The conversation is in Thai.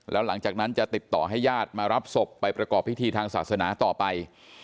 แล้วหลังจากนั้นจะติดต่อให้ญาติมารับศพไปประกอบพิธีทางศาสนาต่อไป